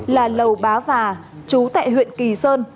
là lầu bá và chú tại huyện kỳ sơn